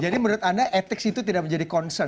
jadi menurut anda etik itu tidak menjadi concern